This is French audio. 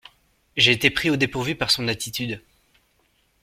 J'ai été pris au dépourvu par son attitude.